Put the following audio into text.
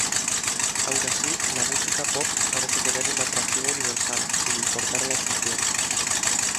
Aun así, la música "pop" parece tener un atractivo universal, sin importar la estación.